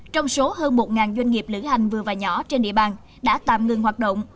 trong số hơn một doanh nghiệp lửa hành vừa và nhỏ trên địa bàn đã tạm ngừng hoạt động